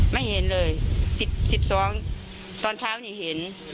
ไม่เห็นเลย๑๒ตอนเช้านี่เห็น